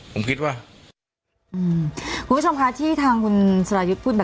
ผมไม่ได้มีส่วนเกี่ยวข้องผมไม่รู้เลย